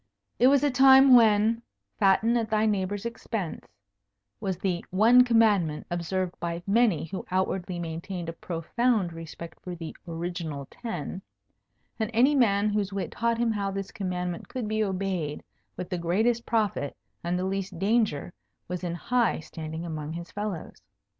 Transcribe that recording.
It was a time when "fatten at thy neighbour's expense" was the one commandment observed by many who outwardly maintained a profound respect for the original ten; and any man whose wit taught him how this commandment could be obeyed with the greatest profit and the least danger was in high standing among his fellows.